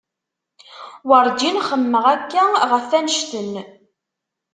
Werǧin xemmemeɣ akka ɣef annect-en.